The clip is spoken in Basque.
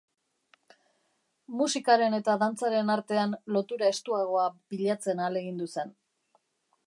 Musikaren eta dantzaren artean lotura estuagoa bilatzen ahalegindu zen.